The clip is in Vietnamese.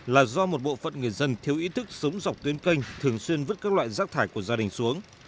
là do một bộ phận người dân thiếu ý thức sống dọc tuyến kênh thường xuyên vứt các loại rác thải của gia đình xuống